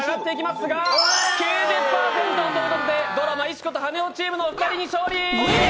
９０％ということでドラマ「石子と羽男」チームのお二人が勝利！